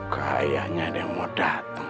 kayaknya ada yang mau datang